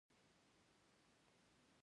د لويي جرګي استازي باید په واسطه معرفي نه سي.